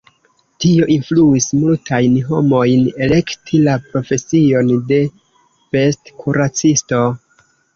Tio influis multajn homojn elekti la profesion de bestkuracisto.